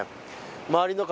周りの方